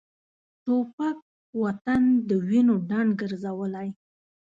توپک وطن د وینو ډنډ ګرځولی.